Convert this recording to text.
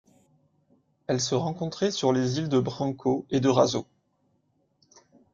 Elle se rencontrait sur les îles de Branco et de Raso.